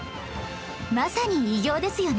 まさに偉業ですよね